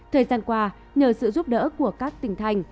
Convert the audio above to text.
thời gian qua nhờ sự giúp đỡ của các tỉnh thành